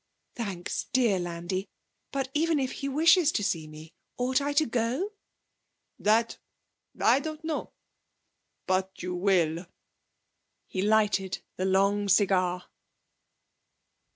'Thanks, dear Landi!... But even if he wishes to see me, ought I to go?' 'That I don't know. But you will.' He lighted the long cigar.